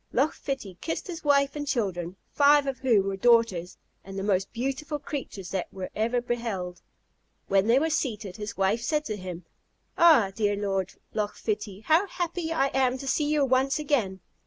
Loch Fitty kissed his wife and children, five of whom were daughters, and the most beautiful creatures that were ever beheld. When they were seated, his wife said to him, "Ah! dear Lord Loch Fitty, how happy I am to see you once again!